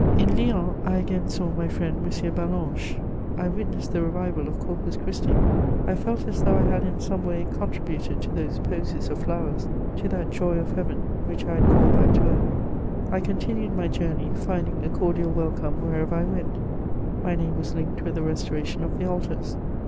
* In Lyons I again saw my friend M. Ballanche. I witnessed the revival of Corpus Christi: I felt as though I had in some way contributed to those posies of flowers, to that joy of Heaven which I had called back to earth. I continued my journey, finding a cordial welcome wherever I went: my name was linked with the restoration of the altars.